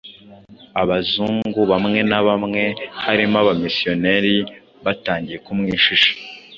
Abazungu bamwe na bamwe, harimo Abamisiyoneri, batangiye kumwishisha.